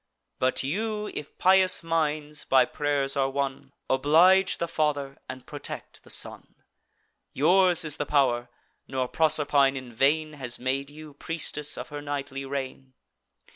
But you, if pious minds by pray'rs are won, Oblige the father, and protect the son. Yours is the pow'r; nor Proserpine in vain Has made you priestess of her nightly reign.